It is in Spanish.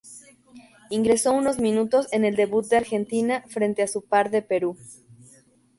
Ingresó unos minutos en el debut de Argentina frente a su par de Perú.